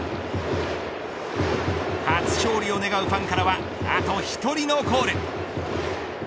初勝利を願うファンからはあと１人のコール。